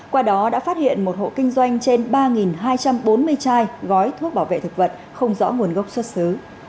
qua đó đã phát hiện một hộ kinh doanh trên ba hai trăm bốn mươi chai gói thuốc bảo vệ thực vật không rõ nguồn gốc xuất xứ